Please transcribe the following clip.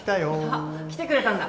あっ来てくれたんだ。